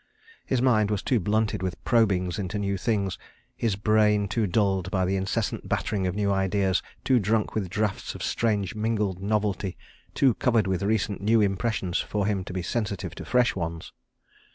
His mind was too blunted with probing into new things, his brain too dulled by the incessant battering of new ideas, too drunk with draughts of strange mingled novelty, too covered with recent new impressions for him to be sensitive to fresh ones.